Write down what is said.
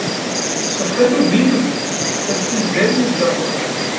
Ceḥḥa tugi Yusef, asbizzer yugi Ɛmaṛa.